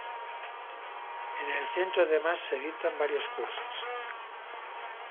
En el centro además se dictan varios cursos.